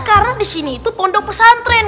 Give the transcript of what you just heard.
karena disini itu pondok pesantren